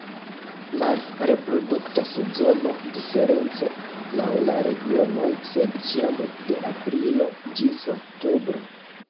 La reprodukta sezono okazas diference laŭ la regionoj, sed ĉiam de aprilo ĝis oktobro.